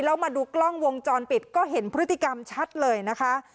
แล้วมาดูกล้องวงจรปิดก็เห็นพฤติกรรมชัดเลยนะคะ